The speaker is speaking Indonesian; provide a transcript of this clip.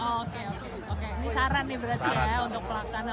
oke oke ini saran nih berarti ya untuk pelaksanaan